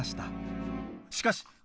しかし？